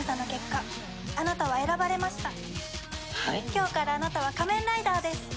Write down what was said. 今日からあなたは仮面ライダーです。